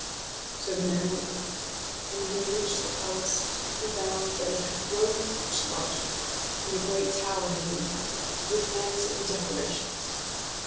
So the man went back, and when he reached the palace he found that it had grown much larger, and a great tower had been added, with handsome decorations.